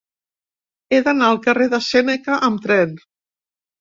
He d'anar al carrer de Sèneca amb tren.